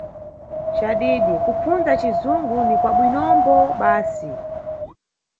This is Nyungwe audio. Cadidi, Kupfundza nʼcizungu ni kwabwinombo basi.